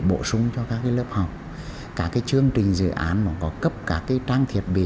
bổ sung cho các lớp học cả chương trình dự án mà có cấp các trang thiết bị